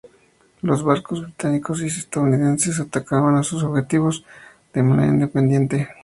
Los barcos británicos y estadounidenses atacaban a sus objetivos de manera independiente.